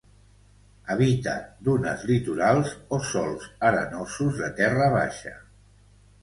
Habita dunes litorals o sòls arenosos de terra baixa.